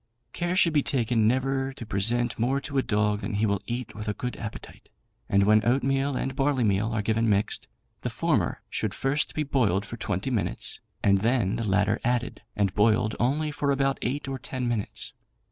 Care should be taken never to present more to a dog than he will eat with a good appetite; and when oatmeal and barleymeal are given mixed, the former should first be boiled for twenty minutes, and then the latter added, and boiled only for about eight or ten minutes.